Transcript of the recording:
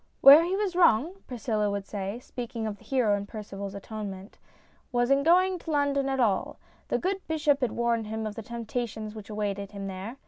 "Where he was wrong," Priscilla would say, speaking of the hero of Percival's Atonement, "was in going to London at all. The good bishop had warned him of the temptations which awaited him there.